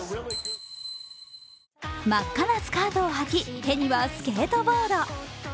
真っ赤なスカートを履き、手にはスケートボード。